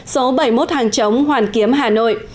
số bảy mươi một hàng chống hoàn kiếm hà nội